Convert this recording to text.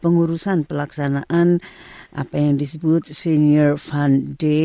pengurusan pelaksanaan apa yang disebut senior fund day